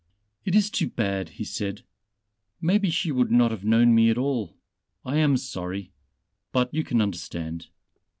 "It is too bad," he said, "maybe she would not have known me at all.... I am sorry ... but you can understand."